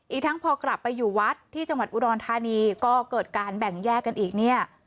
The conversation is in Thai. อีกทั้งพอกลับไปอยู่วัดที่จังหวัดอุดรธานีก็เกิดการแบ่งแยกกันอีกเนี่ย